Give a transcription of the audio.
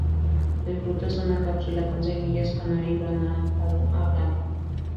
El fruto es una cápsula con semillas con arilo anaranjado a blanco.